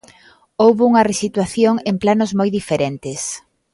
Houbo unha resituación en planos moi diferentes.